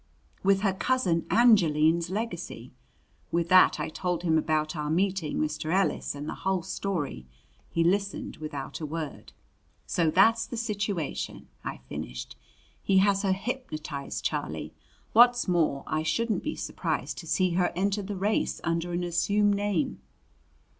"With her cousin Angeline's legacy." With that I told him about our meeting Mr. Ellis and the whole story. He listened without a word. "So that's the situation," I finished. "He has her hypnotized, Charlie. What's more, I shouldn't be surprised to see her enter the race under an assumed name."